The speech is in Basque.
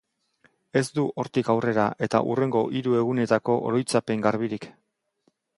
Ez du hortik aurrera eta hurrengo hiru egunetako oroitzapen garbirik.